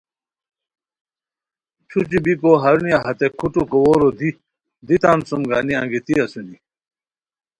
چھوچھی بیکو ہرونیہ ہتے کھوٹو کوؤرو دی دی تان سوم گانی انگیتی اسونی